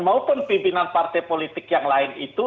maupun pimpinan partai politik yang lain itu